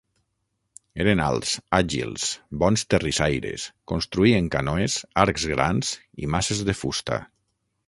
Eren alts, àgils, bons terrissaires, construïen canoes, arcs grans i maces de fusta.